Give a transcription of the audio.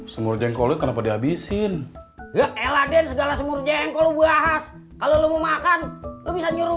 semur jengkol kenapa dihabisin eladen segala semur jengkol bahas kalau mau makan bisa nyuruh